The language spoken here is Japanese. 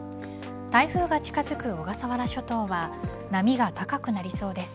台風が近づく小笠原諸島は波が高くなりそうです。